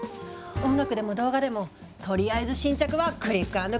音楽でも動画でもとりあえず新着はクリックアンドクリックよ。